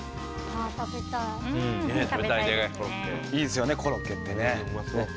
いいですよね、コロッケってね。